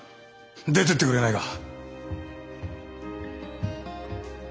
出てってくれないか。